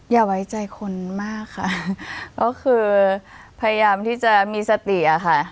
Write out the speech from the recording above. อย่าไว้ใจคนมากค่ะก็คือพยายามที่จะมีสติอะค่ะ